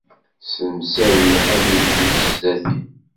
Ssemsawi abrid-ik sdat-i.